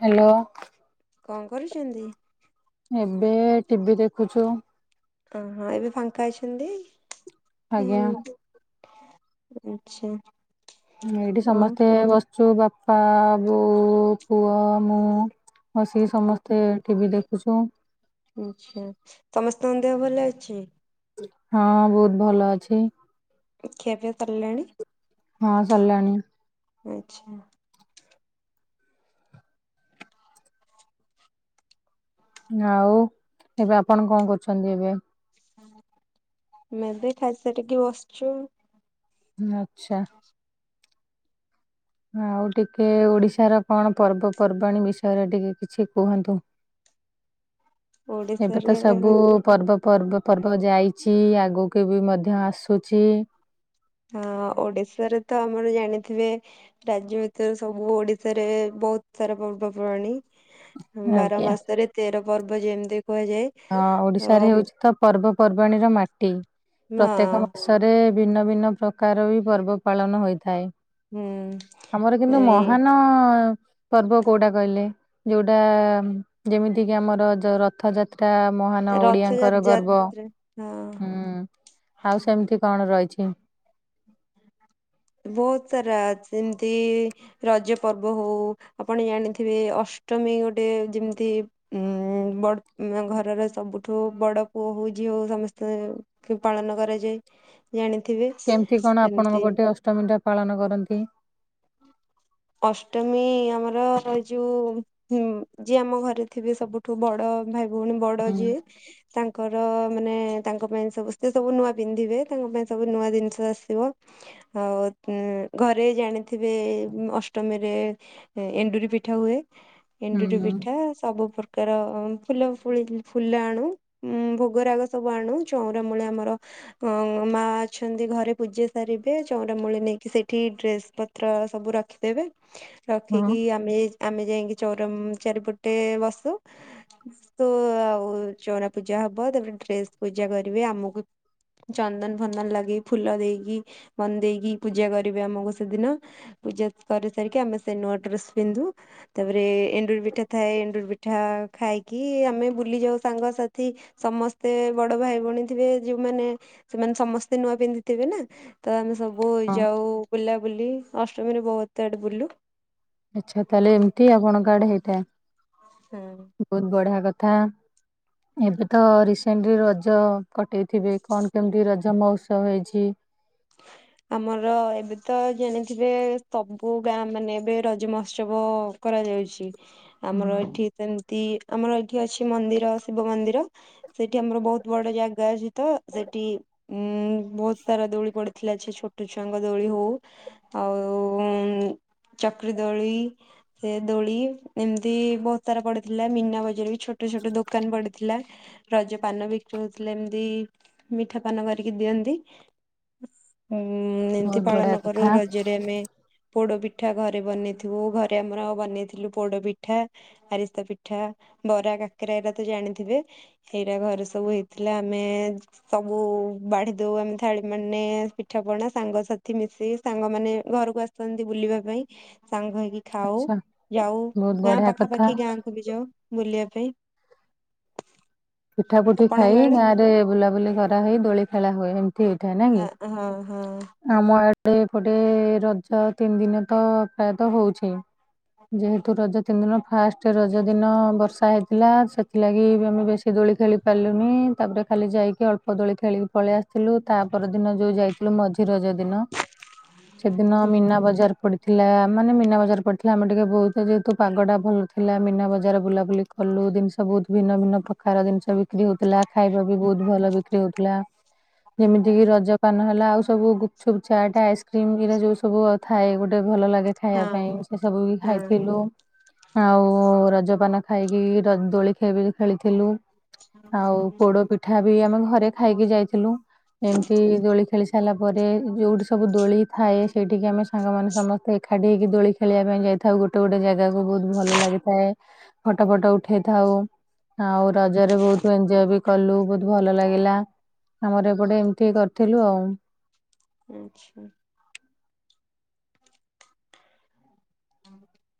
Hello. କଣ କରୁଛନ୍ତି? ଏବେ ଟିଭି ଦେଖୁଛୁ। ଓହଁ ଏବେ ଫାଙ୍କା ଅଛନ୍ତି? ଆଜ୍ଞା। ଆଚ୍ଛା। ଏଇଠି ଓ ସମସ୍ତେ ବସିଛୁ। ବାପ ପା, ବୋଉ, ପୁଅ ମୁଁ ମିଶିକି ସମସ୍ତେ ଟିଭି ଦେ [unintelligible] ଆଚ୍ଛା ସମସ୍ତଙ୍କ ଦେହ ଭଲ ଅଛି? ହଁ ବହୁତ ଭଲ ଅଛି। ଖିଆ ପିଆ ସରଲାଣି? ହଁ ସରଲାଣି। ଆଚ୍ଛା। ଆଉ ଏବେ ଆପଣ କଣ କରୁଛନ୍ତି ଏବେ? ମେବେ ଖାଇସାରିକି ବସଚୁ। ଆଚ୍ଛା। ଆଉ ଟିକେ ଓଡ଼ିଶା ର କଣ ପର୍ବପର୍ବାଣୀ ବିଷୟରେ ଟିକେ କିଛି କୁହନ୍ତୁ? [inaudible] ଏବେ ତ ଓଡିଶାରେ ସବୁ ପର୍ବ ପର୍ବ ପର୍ବ ଯାଇଛି। ଆଗୁକୁ ଏବେ ବି ମଧ୍ୟ ଆସୁଛି। ହଁ ଓଡ଼ିଶାରେ ତ ଆମର ଜାଣିଥିବେ ରାଜ୍ୟ ଭିତରେ ସବୁ ଓଡ଼ିଶାରେ ବହୁତ ସାରା ପର୍ବପର୍ବାଣୀ ବାର ଆଜ୍ଞା ମାସରେ ତେର ପର୍ବ ଯେମିତି କୁହାଯାଏ ହଁ ତ ହଁ ଓଡ଼ିଶାରେ ହେଉଛି ତ ପର୍ବପର୍ବାଣୀର ମାଟି। ପ୍ରତ୍ୟେକ ମାସରେ ଭିନ୍ନ ଭିନ୍ନ ପ୍ରକାର ବି ପର୍ବ ପାଳନ ହୋଇଥାଏ। ହୁଁ ଆମର କିନ୍ତୁ ଏଇ ମହାନ ପର୍ବ କୋଉଟା କହିଲେ? ଯୋଉଟା ଯେମିତି କିି ଆମର ଯୋଉ ରଥଯାତ ଏଟା ମହାନ ଓଡ଼ିଆଙ୍କର ଗର୍ବ। ରଥଯାତ୍ରା ହଁ ହୁଁ, ଆଉ ସେମିତି କଣ ରହିଛି? [unintelligible] ବହୁତ ସାରା ଯେମିତି ରଜ ପର୍ବ ହଉ। ଆପଣ ଜାଣିଥିବେ ଅସ୍ ଅଷ୍ଟମୀ ଗୋଟେ ଯେମିତି ଉଁ, ବଡ ଘରର ସବୁଠୁ ବଡ଼ ପୁଅ ହଉ ଯୋଉ ସମସ୍ତେ ପାଳନ କରାଯାଏ। ଜାଣି କେମିତି କଣ ଆପଣଙ୍କ ପଟେ ଅଷ୍ଟମୀ ଟା ପାଳନ କରନ୍ତି? [inaudible] ଅଷ୍ଟମୀ ଆମର ଏ ଯୋଉ ହୁଁ, ଯିଏ ଆମ ଘରେ ଥିବେ ସବୁଠୁ ବଡ଼ ଭାଇ ଭଉଣୀ ବଡ଼ ହୁଁ ଯିଏ ତାଙ୍କର ମାନେ ତାଙ୍କ ପାଇଁ ସମସ୍ତେ ସବୁ ନୂଆ ପିନ୍ଧିବେ ତାଙ୍କ ପାଇଁ ସବୁ ନୂଆ ଜିନିଷ ଆସିବ ଆଉ ଉଁ। ଘରେ ଜାଣିଥିବେ ଉଁ ଅଷ୍ଟମୀରେ ଏ ଏଣ୍ଡୁରି ପିଠା ହୁଏ। ହୁଁ ଏଣ୍ଡୁରି ପିଠା ସବୁ ପ୍ରକାର ଫୁଲ ଫୁଳ ଫୁଲ ଆଣୁ ଉଁ ଭୋଗ ରାଗ ସବୁ ଆଣୁ ଚଉଁରା ମୂଳେ ଆମର ଅଁ ମା ଅଛନ୍ତି ଘରେ ପୂଜା ସାରି ବେ ଚଉଁରା ମୂଳି ନେଇକି ସେଇଠି ଡ୍ରେସ୍ ପତ୍ର ସବୁ ରଖିଦେବେ। ହଁ ରଖିକି ଆମେ ଆମେ ଯାଇଁକି ଚଉଁରା ଉଁ ଚାରିପ ଟେ ବସୁ ତୁ ଆଉ ଚଉଁରା ପୂଜା ହବ ତାପରେ ଡ୍ରେସ ପୂଜା କରିବେ ଆମକୁ ଚନ୍ଦନ୍ ଫନ୍ଦନ୍ ଲଗେଇ ଫୁଲ ଦେଇକି ବନ୍ଦେଇକି ପୂଜା କରିବେ ଆମକୁ ସେଦିନ। ପୂଜା କରି ସାରିକି ଆମେ ସେ ନୂଆ ଡ୍ରେସ୍ ପିନ୍ଧୁ ତାପରେ ଏଣ୍ଡୁରି ପିଠା ଥାଏ ଏଣ୍ଡୁରି ପି ପିଠା ଖାଇକି ଆମେ ବୁଲି ଯାଉ ସାଙ୍ଗସାଥି ସମସ୍ତେ ବଡ଼ ଭାଇ ଭଉଣୀ ଥିବେ ଯେଉ ମାନେ ସେମାନେ ସମସ୍ତେ ନୂଆ ପିନ୍ଧିଥିବେ ନା ତ ଆମେ ସବ ଓ ହଁ ଯାଉ ବୁଲା ବୁଲି ଅଷ୍ଟମୀରେ ବହୁତ୍ ଆଡ଼େ ବୁଲୁ। ଆଚ୍ଛା ତାହାଲେ ଏମିତି ଆପଣଙ୍କ ଆଡ଼େ ହେଇଥାଏ ହୁଁ ବହୁତ୍ ବଢ଼ିଆ କ ଥା ଏବେ ତ ରିସେଣ୍ଟରେ ରଜ କଟେଇ ଥିବେ କଣ କେମିତି ରଜ ମହୋତ୍ସବ ହେଇଛି? ହଁ [inaudible] ଆମର ଏବେ ତ ଜାଣିଥିବେ ସବୁ ଗାଁ ମାନେ ଏବେ ରଜ ମହୋତ୍ସବ କରା କରା ଯାଉଛି ଆମର ହୁଁ ଏଠି ସେ ମିତି ଆମର ଏଠି ଅଛି ମନ୍ଦିର ଶିବ ମନ୍ଦିର ସେଠି ଆମର ବହୁତ ବଡ଼ ଜାଗା ଅଛି ତ ସେ ଟି ଉଁ ବହୁତ ସାରା ଦୋଳି ପଡ଼ି ଥିଲା ସେ ଛୋଟ ଛୁଆଙ୍କ ଦୋଳି ହଉ ଆଉ ଉଁ। ଚକ୍ରି ଦୋଳି ସେ ଦୋଳି ଏମିତି ବହୁତ୍ ସାରା ପଡ଼ିଥିଲା ମିନା ବଜାର ବି ଛୋଟ ଛୋଟ ଛୋଟ ଦୋକାନ ପଡ଼ିଥିଲା ରଜ ପାନ ବିକ୍ରି ହଉଥିଲା ଏମିତି ମିଠା ପାନ କରିକି ଦିଅ ନ୍ତି। ଉଁ ଏମିତି ବହୁତ ବଢିଆ ପାଳନ କରୁ କଥା। ରଜରେ ଆମେ ପୋଡ଼ ପି ପିଠା ଘରେ ବନେଇଥିବୁ ଘରେ ଆମର ବନେଇଥିଲୁ ପୋଡ଼ ପିଠା ଆରିସା ପିଠା ବରା କାକରା ଏରା ତ ଜାଣିଥିବେ ଏଇଟା ଘରେ ସବୁ ହେଇଥିଲା ଆମେ ସବୁ ବାଢ଼ି ଦଉ ଆମେ ଥାଳି ମା ମାନେ ପିଠା ପଣା ସାଙ୍ଗସାଥି ମିଶିକି ସାଙ୍ଗ ମାନେ ଘରକୁ ଆସନ୍ତି ବୁଲିବା ପାଇଁ ସାଙ୍ଗ ହେଇକି। ଖାଉ ଆଚ୍ଛା ଯାଉ ବହୁତ ଗାଁ ବଢିଆ କଥା ପାଖାପାଖି ଗାଁକୁ ବି ଯାଉ ବୁଲିଆ ପାଇଁ। ପିଠା ପୁଠି ଆପଣଙ୍କ ଖାଇ ଆଡେ ଗାଁ ରେ ବୁଲାବୁଲି କରାହେଇ ଦୋଳି ଖେଳା ହୁଏ ହେମ ତି ଥାଏ ନା କି ହଁ ହଁ ହଁ ଆମ ଆଡେ। ଗୋଟେ ରଜ ତିନି ଦିନ ତ ପ୍ରାୟତଃ ହଉଛି ଯେହେତୁ ରଜ ତିନି ଦିନ ଫାର୍ଷ୍ଟ ରଜ ଦିନ ବର୍ଷା ହେଇଥିଲା ସେଥିଲାଗି ବି ଆମେ ବେଶ ଖି ଦୋଳି ଖେଳି ପାରିଲୁନି ତାପରେ ଖାଲି ଯାଇକି ଅଳ୍ପ ଦୋଳି ଖେଳିକି ପଳେଇ ଆସିଥିଲୁ ତା ପର ଦିନ ଯୋଉ ଯାଇଥି ମଝି ରଜ ଦିନ ସେଦିନ ମିନା ବଜାର ପଡି ଥିଲା ମାନେ ମୀନା ବଜାର ପଡିଥିଲା ଆମେ ଟିକେ ବହୁତ ଯେହେତୁ ପାଗ ଟା ଭଲ ଥିଲା ମୀନା ବଜାର ବୁଲାବୁଲି କଲୁ ବହୁତ ଜିନିଷ ବହୁତ ଭିନ୍ନ ଭିନ୍ନ ପ୍ରକାର ଜିନିଷ ବିକ୍ରି ହଉଥିଲା ଖାଇବା ବି ବହୁତ ଭଲ ବିକ୍ରି ହଉଥିଲା। ଯେମିତି କିି ରଜପାନ ହେଲା ଆଉ ସବୁ ଗୁପଚୁପ, ଚାଟ୍, ଆଇସ୍କ୍ରିମ ହେରା ଯୋଉ ସବୁ ଆ ଥାଏ ଗୋଟେ ଭଲ ଲାଗେ ଖାଇବା ହଁ ପାଇଁ ସେ ସବୁ ବି ହଁ ଖାଇଥିଲୁ। ଆଉ ରଜପାନ ଖାଇକି ରଜ ଦୋଳି ଖେବି ଖେଳିଥିଲୁ। ଆଉ ପୋଡ ପିଠା ବି ଆମେ ଘରେ ଖାଇକି ଯାଇଥିଲୁ ଏମିତି ଦୋଳି ଖେଳି ସାରିଲା ପରେ ଯୋଉଠି ସବୁ ଦୋଳି ଥାଏ ସେଇଠିକି ଆମେ ସାଙ୍ଗମାନେ ସମସ୍ତେ ଏକାଠି ଇ ଦୋଳି ଖେଳିବା ପାଇଁ ଯାଇଥାଉ ଗୋଟେ ଗୋଟେ ଜାଗାକୁ ବହୁତ ଭଲ ଲାଗିଥାଏ। ଫୋଟୋ ଫୋଟୋ ଉଠେଇଥାଉ। ଆଉ ରଜରେ ବହୁତ ଏଞ୍ଜୋୟ ବି କଲୁ ବହୁତ ଭଲ ଲାଗିଲା। ଆମର ଏପଟେ ଏମିତି କରିଥିଲୁ ଆଉ। ଆଚ୍ଛା।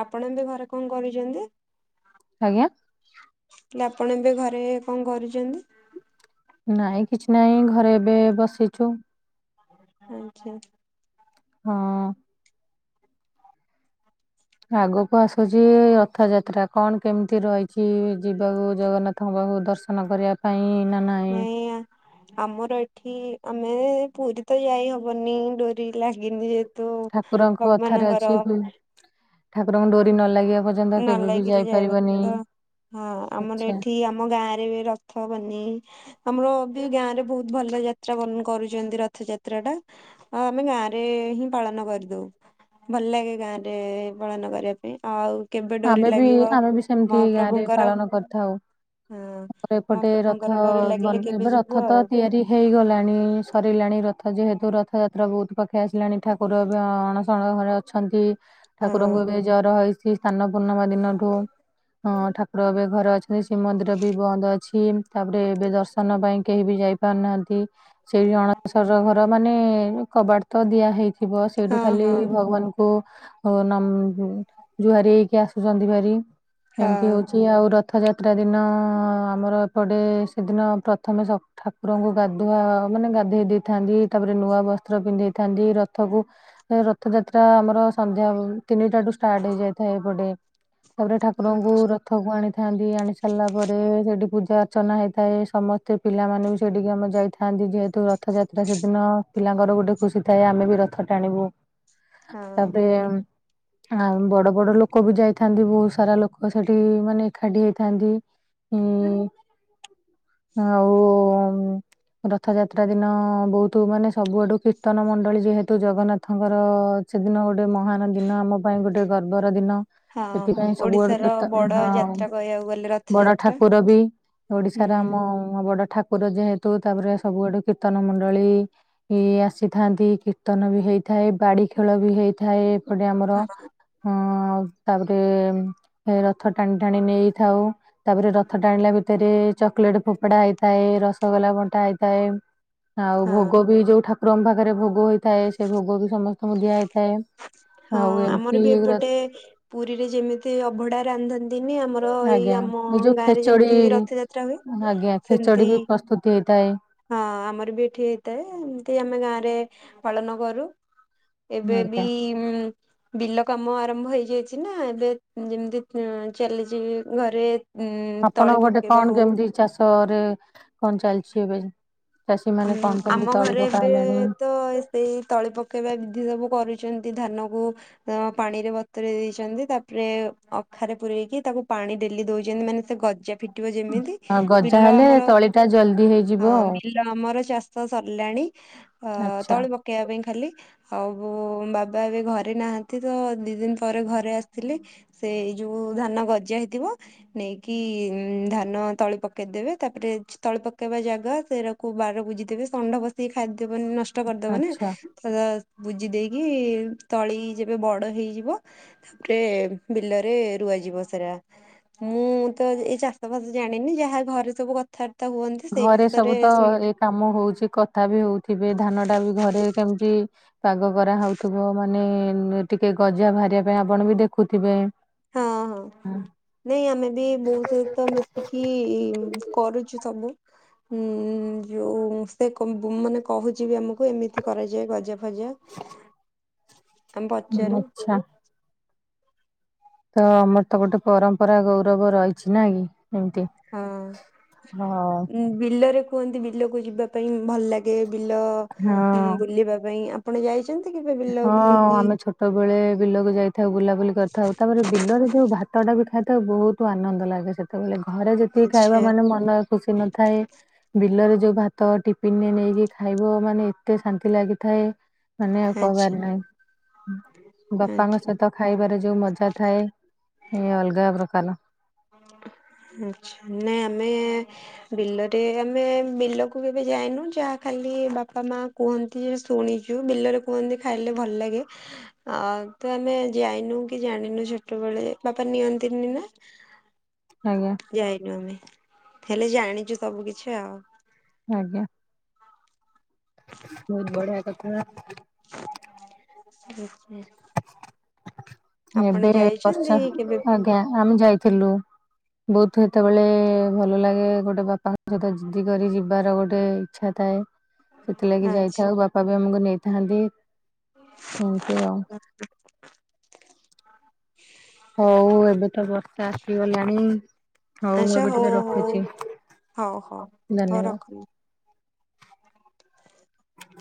ଆପଣ ଏବେ ଘରେ କଣ କରୁଛନ୍ତି? ଆଜ୍ଞା ହେଲେ ଆପଣ ଏବେ ଘରେ କଣ କରୁଛନ୍ତି? ନାଇଁ କିଛି ନାଇଁ ଘରେ ଏବେ ବସିଛୁ। ଆଚ୍ଛା। ହଁ। ଆଗକୁ ଆସୁଛି ରଥ ଯାତ୍ରା କଣ କେମିତି ରହିଛି ଯିବାକୁ ଜଗନ୍ନାଥଙ୍କ ଦର୍ଶନ କରିବା ପାଇଁ ନାଇଁ ଆମର ଏଠି ଆମେ ପୁରୀ ତ ଯାଇ ହବନି ଡୋରି ଲାଗିନି ଯେ ଠାକୁରଙ୍କ କଥାରେ ଅଛି ଠାକୁରଙ୍କୁ ଡୋରି ନ ଲାଗିବା ପର୍ଯ୍ୟନ୍ତ ନ କେବେ ବି ଲାଗିଲେ ଯାଇ ଯାଇହବନି ପାରିବନି। ତ ହଁ ଆମର ଏଠି ଆମ ଗାଁରେ ରଥ ବନି ଆମର ବି ଗାଁ ରେ ବହୁତ ଭଲ ଯାତ୍ରା କରୁଛନ୍ତି ରଥ ଯାତ୍ରା ଟା ଆଉ ଆମେ ଗାଁରେ ହିଁ ପାଳନ କରିଦଉ। ଭଲ ଲାଗେ ଗାଁ ରେ ପାଳନ କରିବା ପାଇଁ। ଆଉ କେବେ ଡୋରି ଆମେ ବି ଲାଗିବ ଆମେ ବି ସେମତି ଗାଁରେ ମହାପ୍ରଭୁଙ୍କର ପାଳନ କରିଥାଉ। ହଁ ଆମର ଏପଟେ ରଥ ମହାପ୍ରଭୁଙ୍କର ଡୋରି ଲାଗିଲେ ବନେ କେବେ ଏବେ ଯିବୁ ରଥ ତ ଆଉ ତିଆରି ହେଇଗଲାଣି ସରିଲା ରଥ ଯେହେତୁ ରଥଯାତ୍ରା ବହୁତ ପାଖେଇ ଆସିଲାଣି ଠାକୁର ଅଣସଣ ଘରେ ଅଛନ୍ତି। ହଁ। ଠାକୁରଙ୍କୁ ଏବେ ଜର ହେଇ ସ୍ନାନ ପୂର୍ଣ୍ଣିମା ଦିନଠୁ ହଁ ଠାକୁର ଏବେ ଘରେ ଅଛନ୍ତି ଶ୍ରୀମନ୍ଦିର ବି ବନ୍ଦ ଅଛି। ତାପରେ ଏବେ ଦର୍ଶନ ପାଇଁ କେହି ବି ଯାଇପାରୁନାହାନ୍ତି। ସେଇ ଅଣସର ଘର ମାନେ କବାଟ ତ ଦିଆ ହେଇ ଥିବ ସେଇଠୁ ହଁ ଖାଲି ହଁ ଭଗବାନଙ୍କୁ ଜୁହାରି ହେଇକି ଆସୁଛନ୍ତି ଭାରି ହଁ। ଏମିତି ହଉଛି ଆଉ ରଥଯାତ୍ରା ଦିନ ଆମର ଏପଟେ ସେଦିନ ପ୍ରଥମେ ସ ଠାକୁରଙ୍କୁ ଗାଧୁଆ ମାନେ ଗାଧେଇ ଦେଇଥାନ୍ତି। ତାପରେ ନୂଆ ବସ୍ତ୍ର ପିନ୍ଧେଇଥାନ୍ତି ରଥକୁ ରଥଯାତ୍ରା ଆମର ସନ୍ଧ୍ୟା ବ ତିନିଟାଠୁ ଷ୍ଟାର୍ଟ ହେଇଯାଇଥାଏ ଏପଟେ ତାପରେ ଠାକୁରଙ୍କୁ ଆଚ୍ଛା ରଥକୁ ଆଣିଥାନ୍ତି ଆଣି ସାରିଲା ପରେ ସେଠି ପୂଜା ଅର୍ଚ୍ଚନା ହେଇଥାଏ। ସମସ୍ତେ ପିଲାମାନେ ବି ସେଠିକି ଆମେ ଯାଇଥାନ୍ତି। ଯେହେତୁ ରଥଯାତ୍ରା ସେଦିନ ପିଲା ତାଙ୍କର ଗୋଟେ ଖୁସି ଥାଏ ଆମେ ବି ରଥ ଟାଣିବୁ। ହଁ ତାପରେ ଆ ବଡ ବଡ ଲୋକ ବି ଯାଇଥାନ୍ତି। ବହୁତ ସାରା ଲୋକ ସେଠି ମାନେ ଏକାଠି ହେଇଥାନ୍ତି। ହିଁ ଆଉ ରଥଯାତ୍ରା ଦିନ ବହୁତ ମାନେ ସବୁଆଡୁ କୀର୍ତ୍ତନ ମଣ୍ଡଳୀ ଯେହେତୁ ଜଗନ୍ନାଥଙ୍କର ସେଦିନ ଗୋଟେ ମହାନ ଦିନ, ଆମ ପାଇଁ ଗୋଟେ ଗର୍ବର ଦିନ। ହଁ ସେଥିପାଇଁ ସବୁଆଡୁ ଓଡିଶାର କିର୍ତ ହ ବଡ ଯାତ୍ରା କହିବାକୁ ଗଲେ ବଡ ରଥଯାତ୍ରା। ଠାକୁର ବି ହୁଁ। ଓଡିଶାର ଆମ ବଡ ଠାକ କୁର ଯେହେତୁ, ତାପରେ ସବୁ ଆଡୁ କୀର୍ତ୍ତନ ମଣ୍ଡଳୀ ଇ ଆସିଥାନ୍ତି, କୀର୍ତ୍ତନ ବି ହେଇଥା ଥାଏ, ବାଡି ଖେଳ ବି ହେଇଥାଏ। ଏପଟେ ଆମର ହଁ ହଁ ତାପରେ ରଥ ଟାଣି ଟାଣି ନେଇଥାଉ, ତାପରେ ରଥ ଟାଣିଲା ବି ଭିତରେ ଚକୋଲେଟ ଫୋପୋଡା ହେଇଥାଏ। ରସଗୋଲା ବଣ୍ଟା ହେଇଥାଏ। ଆଉ ହଁ ଭୋଗ ବି ଯୋଉ ଠାକୁରଙ୍କ ପାଖରେ ଭୋଗ ହେଇଥାଏ ସେ ଭୋଗ ବି ସମସ୍ତଙ୍କୁ ଦିଆ ହୋଇଥାଏ। ହଁ ଆଉ ଏମିତି ଆମର ବି ଏଗୁଡ଼ା ଏପଟେ ପୁରୀରେ ଯେମିତି ଅଭଢା ରାନ୍ଧ ନ୍ତିନି, ଆମର ଏଇ ଆଜ୍ଞା ଆମ ଏଇ ଯୋଉ ଗାଁରେ ଖେଚଡି ଯେମିତି ରଥଯାତ୍ରା ହୁଏ। ଆଜ୍ଞା ଖେଚଡି ସେମତି ବି ପ୍ରସ୍ତୁତି ହେଇଥାଏ ହଁ ଆମର ବି ଏଠି ହେଇଥାଏ। ଏମତି ଆମେ ଗାଁରେ ପାଳନ କରୁ। ଏବେ ବି ଆଜ୍ଞା ଉଁ ବିଲ କାମ ଆରମ୍ଭ ହେଇଯାଇଛି ନା, ଏବେ ଯେମିତି ଚାଲିଛି ଘରେ ଉ ଆପଣଙ୍କ ତଳି ଗୋଟେ ପକେଇବା କଣ ହଉ କେମିତି ଚାଷରେ କଣ ଚାଲିଛି ଏବେ। ଚାଷୀ ମାନେ ଅମ୍ କଣ କେମିତି ଆମ ତଳି ଘରେ ପକା ଏବେ ହେଲାଣି? ତ ସେଇ ତଳି ପକେଇବା ବିଧି ସବୁ କରି ଛନ୍ତି, ଧାନକୁ ଅ ପାଣିରେ ବତୁରେଇ ଦେଇଛନ୍ତି। ତାପରେ ଅଖାରେ ପୁରେଇକୀ ତାକୁ ପା ପାଣି ଡେଲି ଦଉଛନ୍ତି। ମାନେ ସେ ଗଜା ଫି ଉଁ ଗଜା ହେଲେ ତଳି ଟା ଜଲଦି ହଁ ହେଇଯିବ। ବିଲ ଆମର ଚାଷ ସରିଲାଣି, ଅ ଆଚ୍ଛା ତଳି ପକେଇବା ପାଇଁ ଖାଲି ଆଉ ଓ ବାବା ଏବେ ଘରେ ନାହାନ୍ତି ତ, ଦି ଦିନ ପରେ ଘରେ ଆସିଥିଲି ସେଇ ଯୋଉ ଧାନ ନ ଗଜା ହେଇଥିବ। ନେଇକି ଧାନ ତଳି ପକେଇଦେବେ ତାପରେ ତଳି ପକେଇବା ଯାଏ ବା ସେଇରାକୁ ବାର ବୁଝିଦେବେ ଷଣ୍ଢ ପସିକି ଖାଇଦବନି ନଷ୍ଟ କରିଦବନା ଆଚ୍ଛା ତ ବୁଜି ଦେଇକି ତଳି ଯେବେ ବଡ ହେଇଯିବ ତାପରେ ବିଲରେ ରୁ ରୁଆ ଯିବ ସେରା, ମୁଁ ତ ଏଇ ଚାଷ ବାସ ଜାଣିନି ଯାହା ଘରେ ସବୁ କଥା ତା ହୁଅନ୍ତି, ସେଇ ଘରେ ସବୁ ବିଷୟରେ ତ ଶୁଣି ଏ କାମ ହଉଛି, କଥା ବି ହଉଥିବେ ଧାନ ଟା ବି ଘରେ କେମିତି ପାଗ କରାହଉଥିବ, ମାନେ ଟିକେ ଗଜା ବାହାରିବା ପାଇଁ ଆପଣ ବି ଦେଖୁଥିବେ। ହଁ ହଁ ହୁଁ। ନାଇଁ ଆମେ ବି ବୋଉ ସହିତ ମିଶିକି କରୁଛୁ ସବୁ। ହୁଁ ଯୋଉ ସେ କ ବୁ ମାନେ କହୁଛି ବି ଆମକୁ। ଏମିତି କରାଯାଏ ଗଜା ଫଜା। ଆମେ ପଚାରୁ। ଆଚ୍ଛା ତ ଆମର ତ ଗୋଟେ ପରମ୍ପରା ଗୌରବ ରହିଛି ନା କି। ଏମିତି ହଁ, ହଁ ଉଁ ବିଲରେ କୁହନ୍ତି, ବିଲକୁ ଯିବା ପାଇଁ ଭଲ ଲାଗେ ବିଲ ହଁ। ବୁଲିବା ପାଇଁ ଆପଣ ଯାଇ ହଁ ଆମେ ଛୋଟବେଳେ ବିଲକୁ ଯାଇଥାଉ ବୁଲାବୁଲି କରିଥାଉ। ତାପରେ ବିଲରେ ଯୋଉ ଭାତ ଟା ବି ଖା ତେ ବହୁତ ଆନନ୍ଦ ଲାଗେ ସେତେବେଳେ। ଘରେ ଯେତିକି ଖାଇବା ଆଚ୍ଛା ମାନେ ମନ ଖୁସି ନଥାଏ। ବିଲରେ ଯୋଉ ଭାତ ଟିଫିନରେ ନେଇକି ଖାଇବ ମାନେ ଏତେ ଶାନ୍ତି ଲାଗିଥାଏ। ମାନେ ଆଉ ଆଚ୍ଛା କହିବାର ନାହିଁ। ବାପାଙ୍କ ଆଚ୍ଛା। ସହିତ ଖାଇବାରେ ଯୋଉ ମଜା ଥାଏ ଏ ଅଲଗା ପ୍ରକା କାଲ। ହ। ଆଛା ନାଇଁ ଆମେ ବିଲରେ ଆମେ ବିଲକୁ କେବେ ଯାଇନୁ ଯାହା ଖା ଖାଲି ବାପା ମା କୁହନ୍ତି ଯେ ଶୁଣିଛୁ ବିଲରେ କୁହନ୍ତି ଖାଇଲେ ଭଲ ଲାଗେ ଆ ତ ଆମେ ଯାଇନୁ କି ଜାଣିନୁ ଛୋଟବେଳେ ବାପା ନିଅନ୍ତିନି ନା। ଆଜ୍ଞା ଯାଇନୁ ଆମେ ହେଲେ ଜାଣିଛୁ ସବୁ କିଛି ଆଉ। ଆଜ୍ଞା। ବହୁତ ବଢିଆ କଥାା ଠିକଛି [unintelligible] ଏବେ ଯାଇଛନ୍ତି ବର୍ଷା କେବେ ଆଜ୍ଞା ଆମେ ଯାଇଥିଲୁ। ବହୁତ ସେତେବେଳେ ଭଲ ଲାଗେ ଗୋଟେ ବାପାଙ୍କ ସହିତ ଜିଦି କରି ଯିବାର ଗୋଟେ ଇଚ୍ଛା ଥାଏ। ସେଥିଲାଗି ଆଚ୍ଛା ଯାଇଥାଉ ବାପା ବି ଆମକୁ ନେଇଥାନ୍ତି ଏମତି ଆଉ। ହଉ ଏବେ ତ ବର୍ଷା ଆସିଗଲାଣି। ହଉ ମୁଁ ଆଚ୍ଛା ଏବେ ଟିକେ ହଉ ରଖୁଛି। ହଉ ହଉ ହଉ ଧନ୍ୟବାଦ। ରଖନ୍ତୁ।